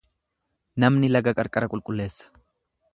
Namni laga qarqara qulqulleessa.